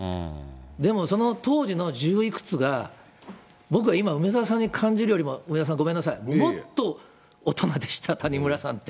でも、その当時の十いくつが、僕は今、梅沢さんに感じるよりも、梅沢さん、ごめんなさい、もっと大人でした、谷村さんって。